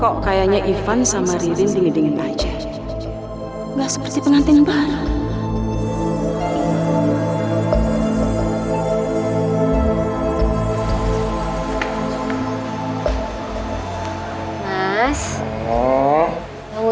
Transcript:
kok kayaknya ivan sama ririn dingin dingin aja nggak seperti pengantin bareng